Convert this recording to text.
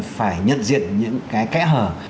phải nhận diện những cái kẽ hở